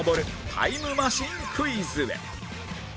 タイムマシンクイズへ